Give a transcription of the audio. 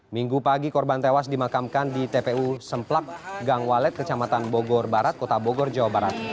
minggu pagi korban tewas dimakamkan di tpu semplak gang walet kecamatan bogor barat kota bogor jawa barat